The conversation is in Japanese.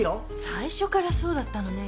最初からそうだったのね。